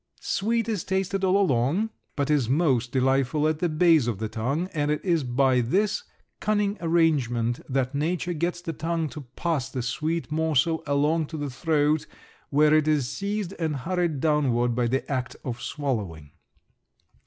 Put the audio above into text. Sweet is tasted all along, but is most delightful at the base of the tongue, and it is by this cunning arrangement that nature gets the tongue to pass the sweet morsel along to the throat where it is seized and hurried downward by the act of swallowing.